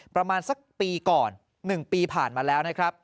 ประมาณสักปีก่อน๑ปีผ่านมาแล้ว